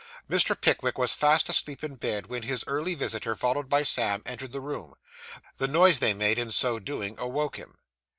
Mr. Pickwick was fast asleep in bed, when his early visitor, followed by Sam, entered the room. The noise they made, in so doing, awoke him.